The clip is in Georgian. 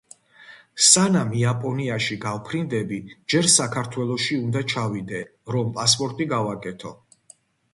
სანამ იაპონიაში გავფრინდები, ჯერ, საქართველოში უნდა ჩავიდე, რომ პასპორტი გავაკეთო.